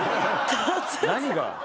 何が？